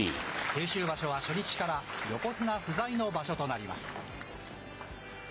九州場所は初日から横綱不在の場所となります。